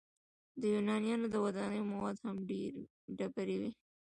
د یونانیانو د ودانیو مواد هم ډبرې وې.